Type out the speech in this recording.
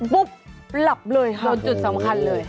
ปุ๊บหลับเลยครับโจทย์สำคัญเลย